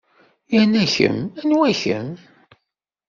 Yernu kemm anwa-kem?